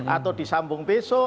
atau disambung besok